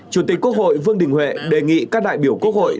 chủ tịch quốc hội vương đình huệ đề nghị các đại biểu quốc hội